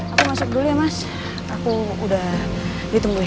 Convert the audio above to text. aku masuk dulu ya mas aku udah ditungguin